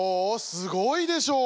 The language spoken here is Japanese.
すごいでしょう。